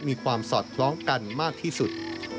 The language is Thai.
มีความสอดคล้องกันมากที่สุด